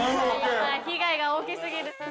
◆被害が大き過ぎる。